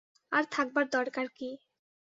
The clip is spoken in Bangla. আর থাকবার দরকার কী।